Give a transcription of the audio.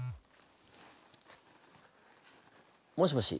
もしもし？